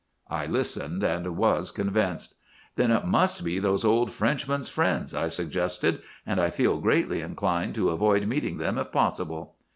"I listened, and was convinced. "'Then it must be those old Frenchmen's friends,' I suggested; 'and I feel greatly inclined to avoid meeting them if possible.